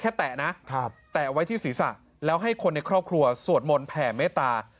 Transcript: แตะนะแตะไว้ที่ศีรษะแล้วให้คนในครอบครัวสวดมนต์แผ่เมตตา